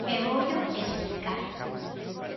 E voullo explicar.